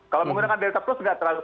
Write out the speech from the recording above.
kalau menggunakan delta plus tidak terlalu